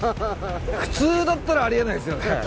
普通だったらありえないですよね